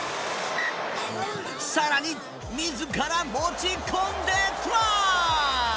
さらに、みずから持ち込んでトライ！